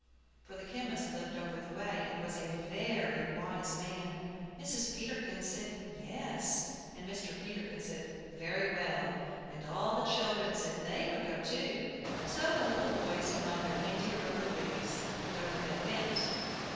(For the chemist lived over the way, and was a very wise man.) Mrs. Peterkin said, "Yes," and Mr. Peterkin said, "Very well," and all the children said they would go too. So the little boys put on their india rubber boots, and over they went.